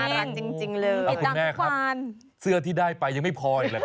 เมื่อกี้ตอนนี้สื้อได้ควัญก็ไม่พอ